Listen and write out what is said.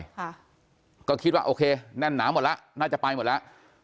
ค่ะก็คิดว่าโอเคแน่นหนาหมดแล้วน่าจะไปหมดแล้ว